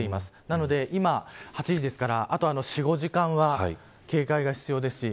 なので今８時ですからあと４、５時間は警戒が必要です。